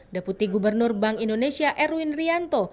deputi gubernur bank indonesia erwin rianto